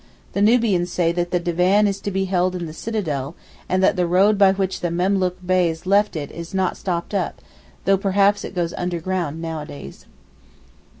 The Nubians say that the Divan is to be held in the Citadel and that the road by which the Memlook Beys left it is not stopped up, though perhaps it goes underground nowadays.